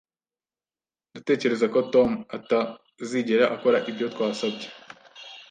Ndatekereza ko Tom atazigera akora ibyo twasabye